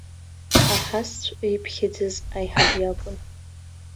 Аҳасҵәҟьа иԥхьаӡаз аиҳаб иакәын.